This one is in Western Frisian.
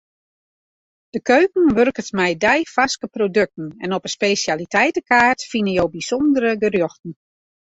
De keuken wurket mei deifarske produkten en op 'e spesjaliteitekaart fine jo bysûndere gerjochten.